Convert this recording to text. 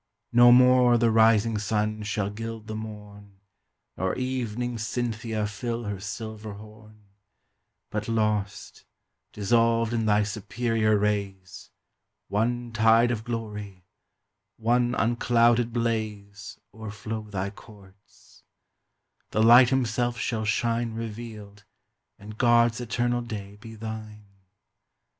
No more the rising Sun shall gild the morn, Nor evening Cynthia fill her silver horn; But lost, dissolved in thy superior rays, One tide of glory, one unclouded blaze O'erflow thy courts: the Light himself shall shine Revealed, and God's eternal day be thine!